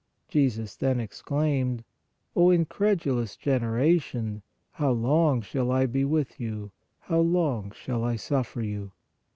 Jesus then exclaimed :" O incredulous generation, how long shall I be with you, how long shall I suffer you